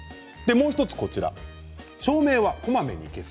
もう１つ、照明はこまめに消す。